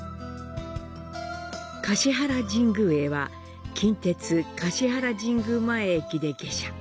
橿原神宮へは、近鉄橿原神宮前駅で下車。